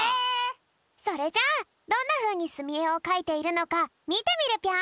それじゃあどんなふうにすみえをかいているのかみてみるぴょん。